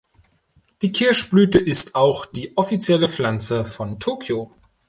Die Kirschblüte ist auch die offizielle Pflanze von Tokio.